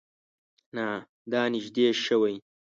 دا نژدې شوی؟